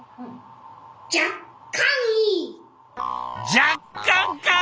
若干かあ！